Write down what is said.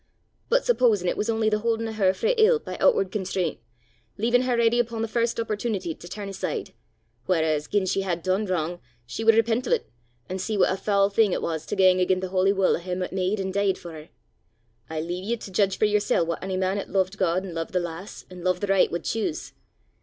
But supposin' it was only the haudin' o' her frae ill by ootward constraint, leavin' her ready upo' the first opportunity to turn aside; whereas, gien she had dune wrang, she wud repent o' 't, an' see what a foul thing it was to gang again' the holy wull o' him 'at made an' dee'd for her I lea' ye to jeedge for yersel' what ony man 'at lo'ed God an' lo'ed the lass an' lo'ed the richt, wud chuise.